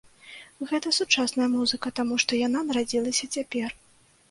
Гэта сучасная музыка, таму што яна нарадзілася цяпер.